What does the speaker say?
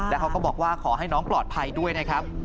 แล้วเขาก็บอกว่าขอให้น้องปลอดภัยด้วยนะครับ